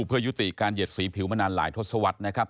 เพื่อยุติการเหยียดสีผิวมานานหลายทศวรรษนะครับ